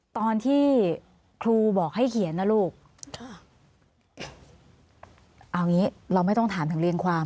ตอนที่ครูบอกให้เขียนนะลูกค่ะเอางี้เราไม่ต้องถามถึงเรียงความ